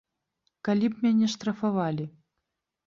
Калі б мяне штрафавалі?